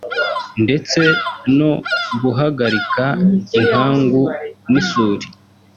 ndetse no guhagarika inkangu n’isuri